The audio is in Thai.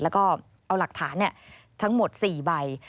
แล้วก็เอาหลักฐานทั้งหมด๔ใบ